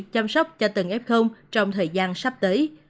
chăm sóc cho từng f trong thời gian sắp tới